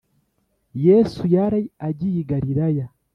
Yesu yari agiye i Galilaya